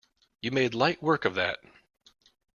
You made light work of that!